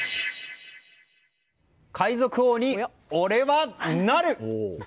海賊王に俺はなる！